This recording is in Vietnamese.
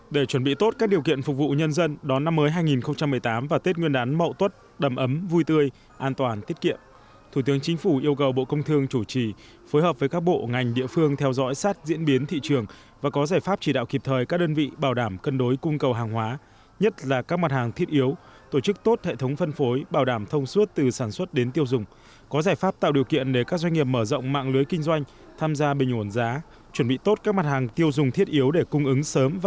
để chuẩn bị tốt các điều kiện phục vụ nhân dân đón năm mới hai nghìn một mươi tám và tết nguyên đán mậu tất đầm ấm vui tươi an toàn tiết kiệm thủ tướng chính phủ yêu cầu bộ công thương chủ trì phối hợp với các bộ ngành địa phương theo dõi sát diễn biến thị trường và có giải pháp chỉ đạo kịp thời các đơn vị bảo đảm cân đối cung cầu hàng hóa nhất là các mặt hàng thiết yếu tổ chức tốt hệ thống phân phối bảo đảm thông suốt từ sản xuất đến tiêu dùng có giải pháp tạo điều kiện để các doanh nghiệp mở rộng m